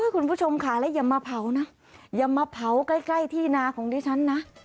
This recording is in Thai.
คุณผู้ชมค่ะและอย่ามาเผานะอย่ามาเผาใกล้ที่นาของดิฉันนะ